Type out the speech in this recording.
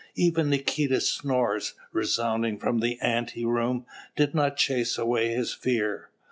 Even Nikita's snores, resounding from the ante room, did not chase away his fear.